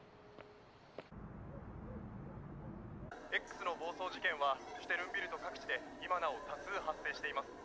「Ｘの暴走事件はシュテルンビルト各地で今なお多数発生しています。